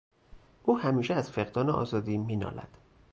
او همیشه از فقدان آزادی مینالد.